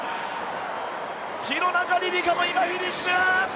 廣中璃梨佳も今フィニッシュ。